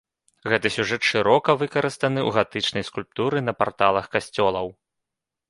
Гэты сюжэт шырока выкарыстаны ў гатычнай скульптуры на парталах касцёлаў.